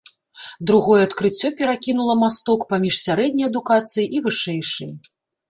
Другое адкрыццё перакінула масток паміж сярэдняй адукацыяй і вышэйшай.